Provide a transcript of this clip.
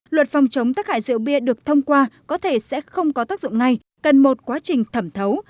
luật phòng chống tác hại rượu bia được thông qua có thể sẽ không có tác dụng ngay cần một quá trình thẩm thấu